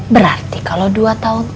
berarti kalo dua tahun t dua ratus